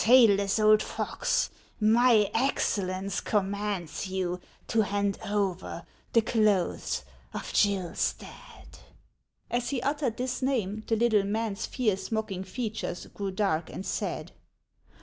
" Tailless old fox, my Excellence commands you to hand over the clothes of Gill Stadt." As he uttered this name, the little man's fierce, mocking features grew dark and sad.